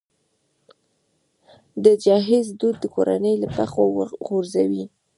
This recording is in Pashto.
د جهیز دود کورنۍ له پښو غورځوي.